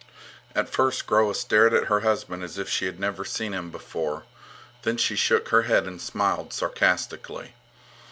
At first Groa stared at her husband as if she had never seen him before. Then she shook her head and smiled sarcastically.